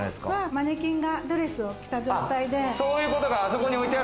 マネキンがドレスを着た状態で。